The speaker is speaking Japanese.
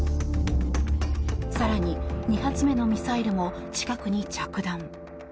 更に２発目のミサイルも近くに着弾。